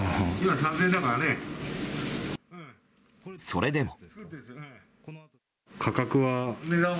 それでも。